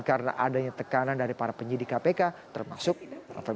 karena adanya tekanan dari para penyidik kpk termasuk rafa baswedan